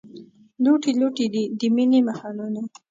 لوټې لوټې دي، د مینې محلونه